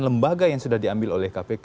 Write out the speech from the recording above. lembaga yang sudah diambil oleh kpk